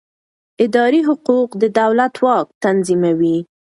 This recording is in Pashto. اداري حقوق د دولت واک تنظیموي.